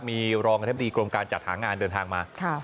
มีรองอธิบดีกรมการจัดหางานเดินทางมา